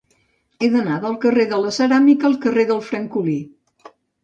He d'anar del carrer de la Ceràmica al carrer del Francolí.